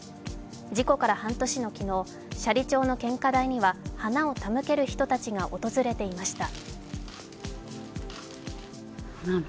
事故から半年の昨日、斜里町の献花台には花を手向ける人たちが訪れていました。